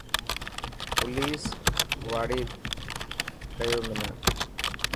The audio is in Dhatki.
پوليس واڙي رڪيو منا.